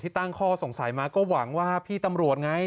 ตั้งข้อสงสัยมาก็หวังว่าพี่ตำรวจไง